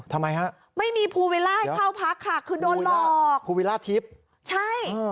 ทำไมฮะไม่มีภูวิลล่าให้เข้าพักค่ะคือโดนหลอกภูวิล่าทิพย์ใช่